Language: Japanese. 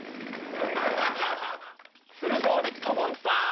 釣るぞレッドモンスター！